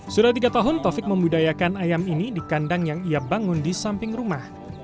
sudah tiga tahun taufik membudayakan ayam ini di kandang yang ia bangun di samping rumah